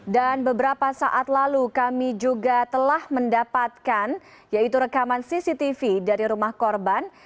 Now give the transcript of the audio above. dan beberapa saat lalu kami juga telah mendapatkan yaitu rekaman cctv dari rumah korban